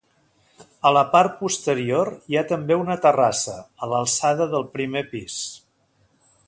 A la part posterior hi ha també una terrassa a l'alçada del primer pis.